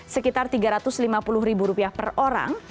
sekitar tiga ratus lima puluh ribu rupiah per orang